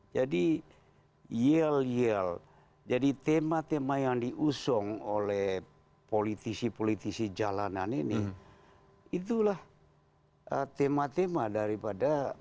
jadi yel yel jadi tema tema yang diusung oleh politisi politisi jalanan ini itulah tema tema daripada